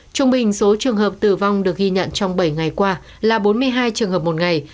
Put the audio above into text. trung bình số trường hợp tử vong được ghi nhận trong bảy ngày qua là bốn mươi hai trường hợp một ngày